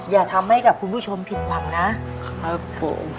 อย่าทำให้กับคุณผู้ชมผิดหวังนะครับผม